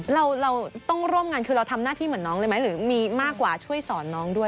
เราต้องร่วมงานคือเราทำหน้าที่เหมือนน้องเลยไหมหรือมีมากกว่าช่วยสอนน้องด้วย